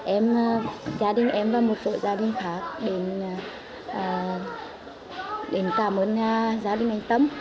em gia đình em và một số gia đình khác đến cảm ơn gia đình anh tâm